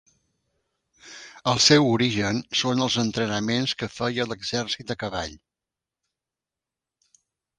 El seu origen són els entrenaments que feia l'exèrcit a cavall.